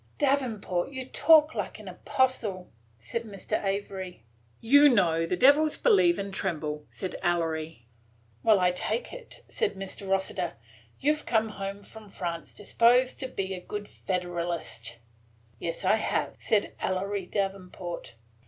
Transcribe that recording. "Davenport, you talk like an apostle," said Mr. Avery. "You know the devils believe and tremble," said Ellery. "Well, I take it," said Mr. Rossiter, "you 've come home from France disposed to be a good Federalist." "Yes, I have," said Ellery Davenport.